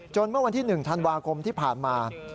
เมื่อวันที่๑ธันวาคมที่ผ่านมา